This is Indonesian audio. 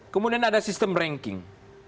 kemudian ada sistem ranking